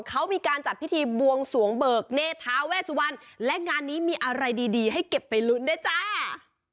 เขามีการจัดพิธีบวงสวงเบิกเนธาเวสุวรรณและงานนี้มีอะไรดีดีให้เก็บไปลุ้นด้วยจ้า